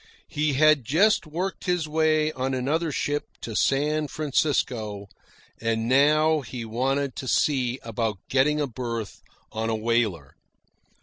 He had just worked his way on another ship to San Francisco; and now he wanted to see about getting a berth on a whaler.